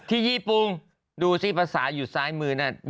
ที่ญี่ปุ่งดูสิภาษาอยู่ซ้ายมือนั่น